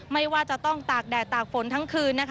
ไม่ว่าจะต้องตากแดดตากฝนทั้งคืน